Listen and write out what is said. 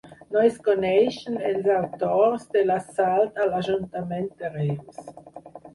No es coneixen els autors de l'assalt a l'Ajuntament de Reus